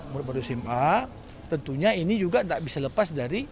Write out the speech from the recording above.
murid baru sma tentunya ini juga tidak bisa lepas dari